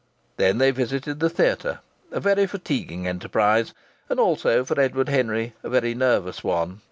Then they visited the theatre a very fatiguing enterprise, and also, for Edward Henry, a very nervous one.